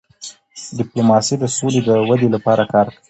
ډيپلوماسي د سولې د ودی لپاره کار کوي.